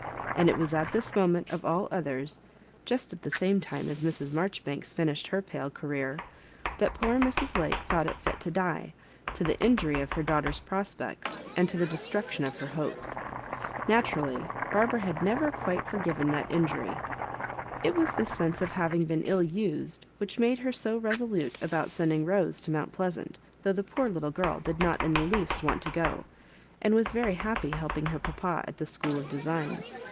And it was at this moment of all others, just at the same time as Mrs. Mar. joribanks finished her pale career, that poor MtB. Lake thought fit to die, to the Injury of her daughter's prospects and the destruction of her bopea Naturally Barbara had never quite for given that injury. It was this sense of having been ill«used which made her so resolute about sending Boee to Mount Pleasant, though the poor little girl did not in the least want to go, and was very happy helping her papa at the School of Design.